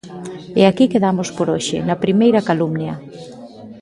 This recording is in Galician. E aquí quedamos por hoxe, na primeira calumnia.